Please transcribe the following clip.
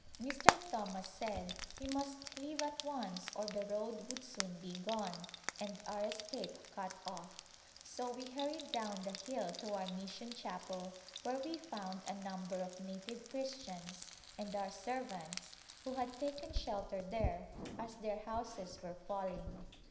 Mr. Thomas said we must leave at once or the road would soon be gone and our escape cut off, so we hurried down the hill to our mission chapel where we found a number of native Christians and our servants who had taken shelter there as their houses were falling.